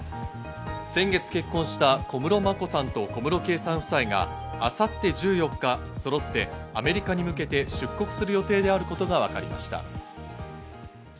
先月結婚した、小室眞子さんと小室圭さん夫妻が明後日１４日、そろってアメリカに向けて出国する予定であることがわかりました。